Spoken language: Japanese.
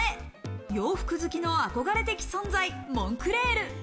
洋服好きの憧れ的存在、モンクレール。